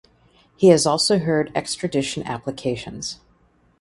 He has also heard extradition applications.